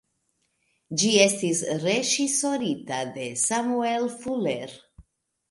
Ĝi estis reĝisorita de Samuel Fuller.